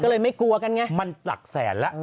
เราเห็นว่าดูก่อนนี้มันหลักแสนแล้ว